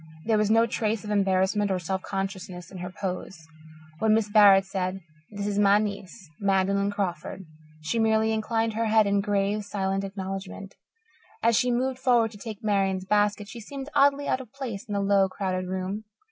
There was no trace of embarrassment or self consciousness in her pose. When Mrs. Barrett said, "This is my niece, Magdalen Crawford," she merely inclined her head in grave, silent acknowledgement. As she moved forward to take Marian's basket, she seemed oddly out of place in the low, crowded room.